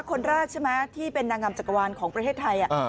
คนแรกใช่ไหมที่เป็นนางงามจักรวาลของประเทศไทย